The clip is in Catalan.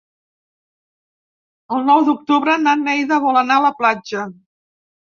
El nou d'octubre na Neida vol anar a la platja.